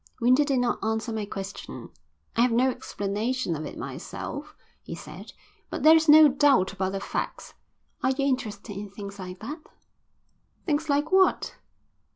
Winter did not answer my question. "I have no explanation of it myself," he said. "But there's no doubt about the facts. Are you interested in things like that?" "Things like what?"